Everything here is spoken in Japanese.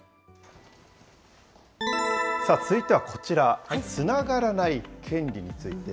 続いてはこちら、つながらない権利について。